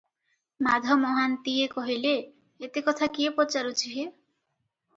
ମାଧ ମହାନ୍ତିଏ କହିଲେ, ଏତେ କଥା କିଏ ପଚାରୁଛି ହେ?